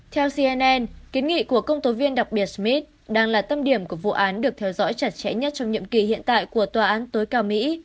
theo cnn kiến nghị của công tố viên đặc biệt smith đang là tâm điểm của vụ án được theo dõi chặt chẽ nhất trong nhiệm kỳ hiện tại của tòa án tối cao mỹ